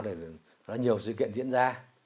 nói nhiều sự kiện diễn ra